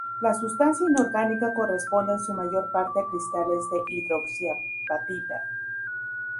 La sustancia inorgánica corresponde en su mayor parte a cristales de hidroxiapatita.